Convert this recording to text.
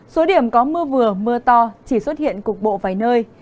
số điểm có mưa vừa mưa to chỉ xuất hiện cục bộ vài nơi